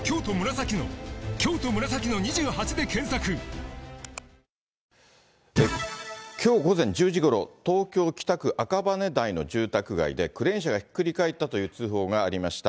現在、きょう午前１０時ごろ、東京・北区赤羽台の住宅街でクレーン車がひっくり返ったという通報がありました。